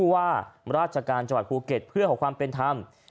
ว่าราชการจังหวัดภูเก็ตเพื่อขอความเป็นธรรม